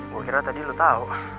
gue kira tadi lo tau